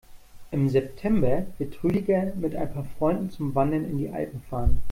Im September wird Rüdiger mit ein paar Freunden zum Wandern in die Alpen fahren.